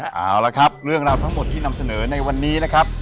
เอาละครับเรื่องราวทั้งหมดที่นำเสนอในวันนี้นะครับ